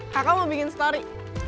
kakak mau bikin story